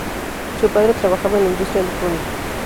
Su padre trabajaba en la industria electrónica.